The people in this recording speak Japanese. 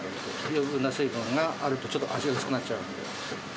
余分な水分があると、ちょっと味薄くなっちゃう。